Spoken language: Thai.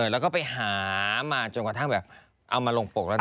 แล้วก็ไปหามาจนกระทั่งแบบเอามาลงปกแล้ว